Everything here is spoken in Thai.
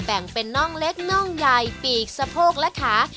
แบ่งเป็นน่องเล็กน่องใหญ่ปีกสะโพกและขา